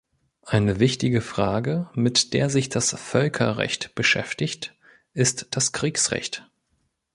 Eine wichtige Frage, mit der sich das Völkerrecht beschäftigt, ist das Kriegsrecht.